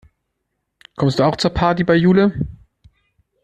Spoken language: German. Kommst du auch zur Party bei Jule?